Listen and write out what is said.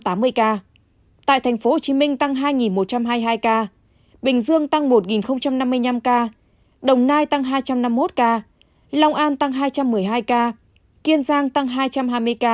tại tp hcm tăng hai một trăm hai mươi hai ca bình dương tăng một năm mươi năm ca đồng nai tăng hai trăm năm mươi một ca lòng an tăng hai trăm một mươi hai ca kiên giang tăng hai trăm hai mươi ca